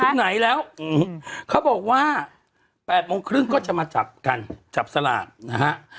ถึงไหนแล้วเขาบอกว่า๘โมงครึ่งก็จะมาจับกันจับสลากนะฮะ